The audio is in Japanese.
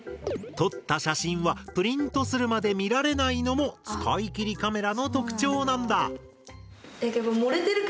撮った写真はプリントするまで見られないのも使い切りカメラの特徴なんだ。